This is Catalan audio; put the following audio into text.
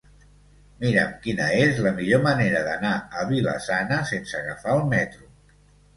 Mira'm quina és la millor manera d'anar a Vila-sana sense agafar el metro.